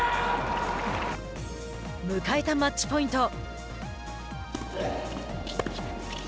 迎えたマッチポイント。